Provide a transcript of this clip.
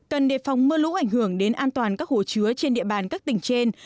cần đề phòng mưa lũ ảnh hưởng đến an toàn các hồ chứa trên địa bàn các tỉnh trên